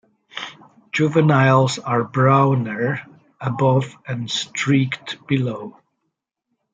Juveniles are browner above and streaked below.